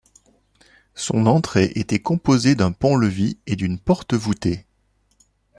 Son entrée était composée d'un pont-levis et d'une porte voûtée.